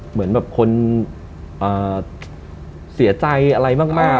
เหมือนแบบคนเสียใจอะไรมาก